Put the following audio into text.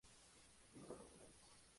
Bakker es jardinero de profesión.